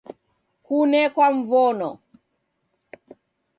Kunekwa Mvono